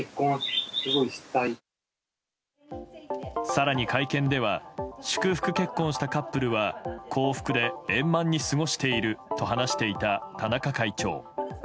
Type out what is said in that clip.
更に会見では祝福結婚したカップルは幸福で円満に過ごしていると話していた田中会長。